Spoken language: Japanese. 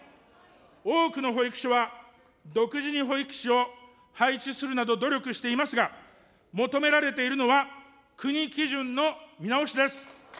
多くの保育所は独自に保育士を配置するなど努力していますが、求められているのは、国基準の見直しです。